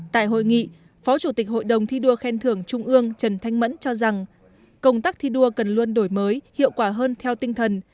tại hội nghị phó chủ tịch hội đồng thi đua khen thưởng trung ương trần thanh mẫn cho rằng công tác thi đua cần luôn đổi mới hiệu quả hơn theo tinh thần